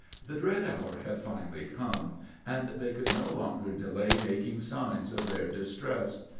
The dread hour had finally come, and they could no longer delay making signs of their distress.